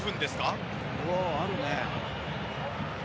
あるね。